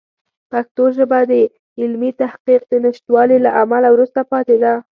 پښتو ژبه د علمي تحقیق د نشتوالي له امله وروسته پاتې ده.